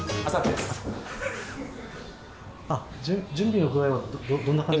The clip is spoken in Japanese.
準備の具合はどんな感じ？